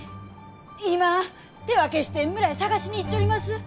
今手分けして村へ捜しに行っちょります！